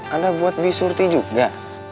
anda buat de surti juga